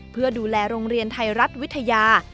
เพื่อดูแลโรงเรียนไทยรัฐวิทยา